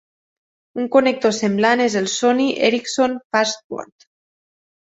Un connector semblant és el Sony Ericsson FastPort.